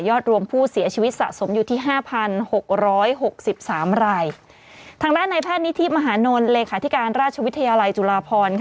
ยอดรวมผู้เสียชีวิตสะสมอยู่ที่๕๖๖๓รายทางด้านในแพทย์นิธีมหานลเลขาธิการราชวิทยาลัยจุฬาพรค่ะ